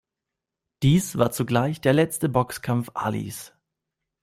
Dies war zugleich der letzte Boxkampf Alis.